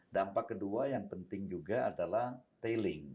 dampak kedua yang penting juga adalah tailing